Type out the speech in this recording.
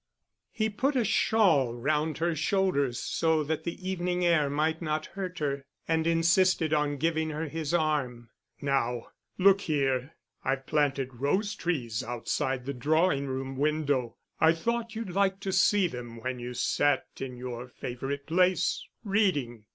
He put a shawl round her shoulders, so that the evening air might not hurt her, and insisted on giving her his arm. "Now, look here; I've planted rose trees outside the drawing room window; I thought you'd like to see them when you sat in your favourite place, reading."